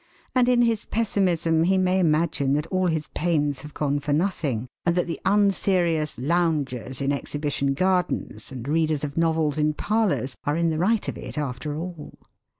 And in his pessimism he may imagine that all his pains have gone for nothing, and that the unserious loungers in exhibition gardens and readers of novels in parlours are in the right of it after all.